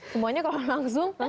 semuanya kalau langsung